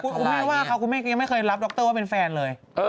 คุณแม่ว่าเขาคุณแม่ยังไม่เคยรับดรว่าเป็นแฟนเลย